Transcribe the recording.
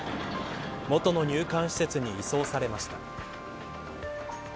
元の入管施設に移送されました。